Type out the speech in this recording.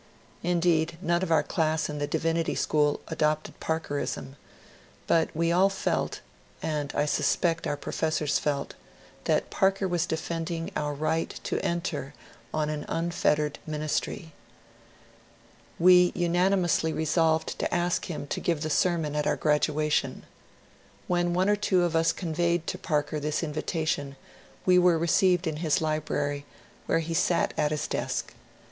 Indeed, none of our class in the Divinity School adopted " Parkerism," but we all felt — and I suspect our professors felt — that Parker was defending our right to enter on an unfettered ministry. We unani THEODORE PARKER'S SERMONS 163 mously resolved to ask bim to give the sermon at our gradu ation. When one or two of us conyeyed to Parker this in vitation, we were received in his library, where he sat at his desk.